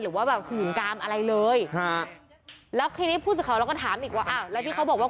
หรือการหื่นกามอะไรเลยและทีนี้พูดสำหรับเขาแล้วก็ถามอีกว่าแล้วที่เขาบอกว่า